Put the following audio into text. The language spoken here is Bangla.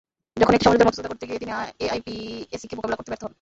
যখন একটি সমঝোতার মধ্যস্থতা করতে গিয়ে তিনি এআইপিএসিকে মোকাবিলা করতে ব্যর্থ হন।